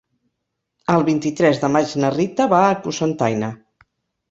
El vint-i-tres de maig na Rita va a Cocentaina.